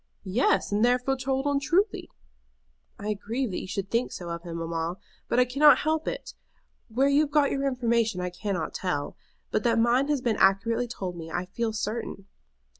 "Yes; and therefore told untruly." "I grieve that you should think so of him, mamma; but I cannot help it. Where you have got your information I cannot tell. But that mine has been accurately told to me I feel certain."